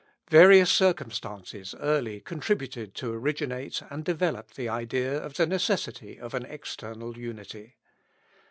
Various circumstances early contributed to originate and develop the idea of the necessity of an external unity.